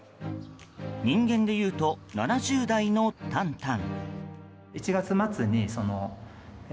人間でいうと７０代のタンタン。